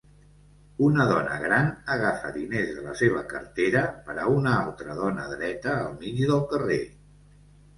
Una dona gran agafa diners de la seva cartera per a una altra dona dreta al mig del carrer.